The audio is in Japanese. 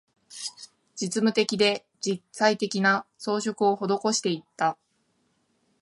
実務的で、実際的な、装飾を施していった